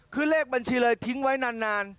คือเลขบัญชีเลยทิ้งไว้นาน